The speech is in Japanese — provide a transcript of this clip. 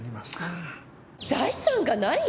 財産がない？